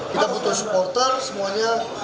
kita butuh supporter semuanya